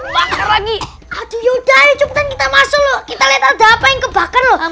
lagi aduh ya udah kita masuk kita lihat ada apa yang kebakar lo